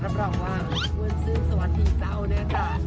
รับรองว่าวันซื่อสวัสดีเจ้าเนี่ยค่ะ